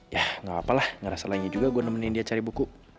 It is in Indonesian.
yah gak apa apa lah gak rasa lagi juga gue nemenin dia cari buku